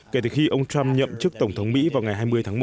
kể từ khi ông trump nhậm chức tổng thống mỹ vào ngày hai mươi tháng một